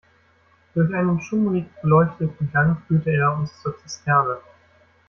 Durch einen schummrig beleuchteten Gang führte er uns zur Zisterne.